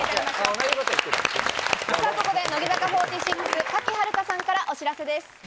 ここで乃木坂４６・賀喜遥香さんから、お知らせです。